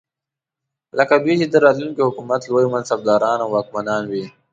لکه دوی چې د راتلونکي حکومت لوی منصبداران او واکمنان وي.